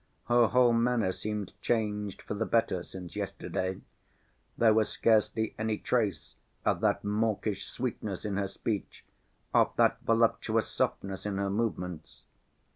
Her whole manner seemed changed for the better since yesterday, there was scarcely any trace of that mawkish sweetness in her speech, of that voluptuous softness in her movements.